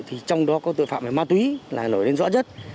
thì trong đó có tội phạm về ma túy là nổi lên rõ rứt